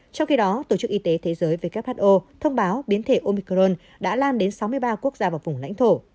trong khi đó tổ chức y tế thế giới who thông báo biến thể omicron đã lan đến sáu mươi ba quốc gia và vùng lãnh thổ